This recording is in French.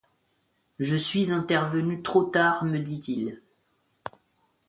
Je suis intervenu trop tard, me dit-il.